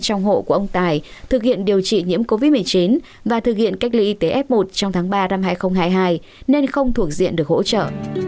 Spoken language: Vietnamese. trong hộ của ông tài thực hiện điều trị nhiễm covid một mươi chín và thực hiện cách ly y tế f một trong tháng ba năm hai nghìn hai mươi hai nên không thuộc diện được hỗ trợ